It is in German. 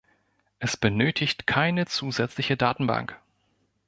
Es benötigt keine zusätzliche Datenbank.